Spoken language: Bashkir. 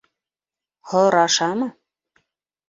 Һорашамы?